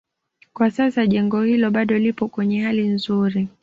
Kwa sasa jengo hilo bado lipo kwenye hali nzuri